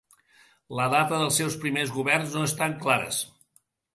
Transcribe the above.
La data dels seus primers governs no estan clares.